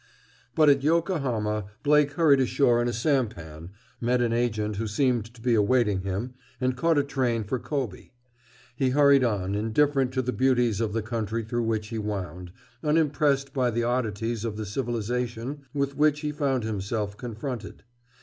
But at Yokohama, Blake hurried ashore in a sampan, met an agent who seemed to be awaiting him, and caught a train for Kobe. He hurried on, indifferent to the beauties of the country through which he wound, unimpressed by the oddities of the civilization with which he found himself confronted.